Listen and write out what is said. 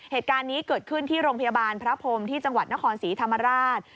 เหตุการณ์นี้เกิดขึ้นที่โรงพยาบาลพระพรมที่จังหวัดนครศรีธรรมราช